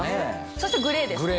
そしてグレーですね